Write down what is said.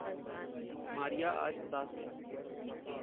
मारिया आज उदास है।